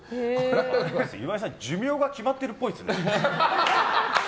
岩井さん、寿命が決まってるっぽいですね。